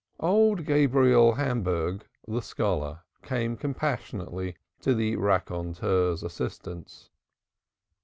Old Gabriel Hamburg, the scholar, came compassionately to the raconteur's assistance.